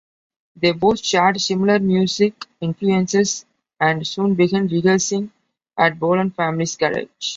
They both shared similar music influences and soon began rehearsing at Bolan family's garage.